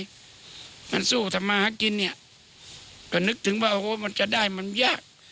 มันสู้ทำมาหากินเนี่ยก็นึกถึงว่าโอ้โหมันจะได้มันยาก